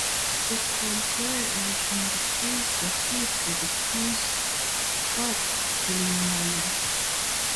Cette contrée est une des plus arides et des plus froides de l'Himalaya.